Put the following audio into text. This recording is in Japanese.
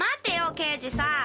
刑事さん！